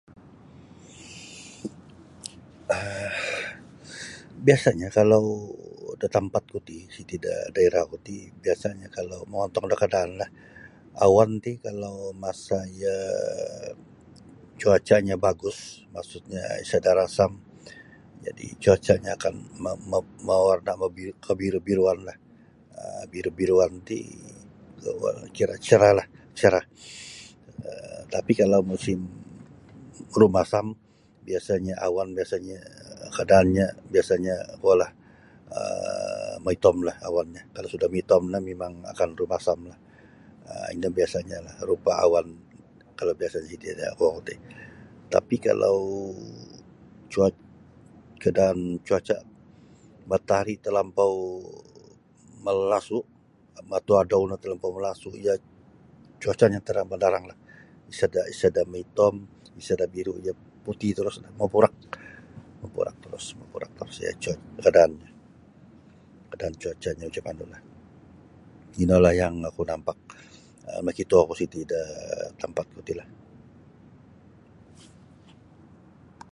um Biasanya kalau da tampat ku ti siti da daerah ku ti biasanyo kalau mongontong da kadaanlah awan ti kalau masa iyo cuacanya bagus maksudnya isada rasam jadi cuacanya akan ma-mam-ma warna kebiru-biruanlah biru-biruan ti kira um cerahlah cerah um tapi kalau musim rumasam biasanya awan biasanya kadaanya um biasanya kuo lah um maitom lah awanyo kalau suda maitom no mimang akan rumasam lah um ino biasanya lah rupa awan kalau biasa siti da kuo ku ti tapi kalau cua kadaan cuaca matari talampau malasu matu adau no talampau malasu cuacanya tarang bandaranglah isada sada maitom isada biru iyo putih terus mapurak terus mapurak terus kadaanyo kadaan cuacanya macam manu lah ino lah yang aku nampak ino lah yang nakito ku siti da tampat ku ti lah.